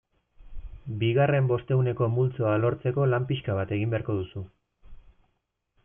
Bigarren bostehuneko multzoa lortzeko lan pixka bat egin beharko duzu.